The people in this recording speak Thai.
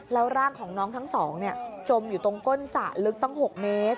แล้วร่างของน้องทั้งสองจมอยู่ตรงก้นสระลึกตั้ง๖เมตร